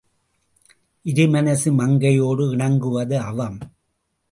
இரு மனசு மங்கையோடு இணங்குவது அவம்.